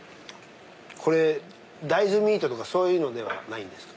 これ大豆ミートとかそういうのではないんですか？